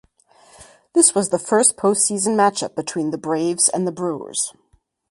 This was the first postseason matchup between the Braves and the Brewers.